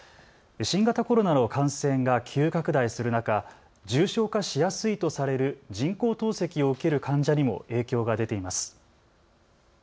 新型コロナの感染が急拡大する中、重症化しやすいとされる人工透析を受ける患者にも影響が出ています。